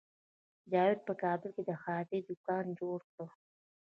جاوید په کابل کې د خیاطۍ دکان جوړ کړ